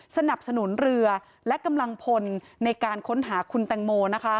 สนับสนุนเรือและกำลังพลในการค้นหาคุณแตงโม